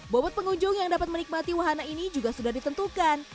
bobot pengunjung yang dapat menikmati wahana ini juga sudah ditentukan